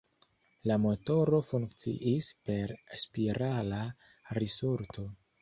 La motoro funkciis per spirala risorto.